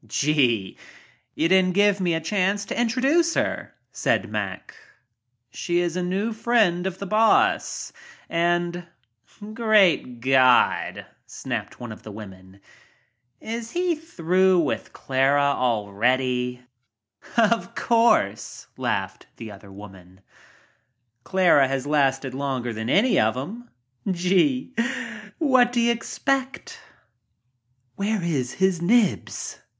Gee, you didn't give me a chance to introduce her," said Mack. "She is a new friend of the boss — Jf pJJ Great God," snapped one of the women, "Is he a "Of course," laughed the other woman, "Clara has lasted longer than any of them. Gee, what do you expect?" "Where is his Nibs?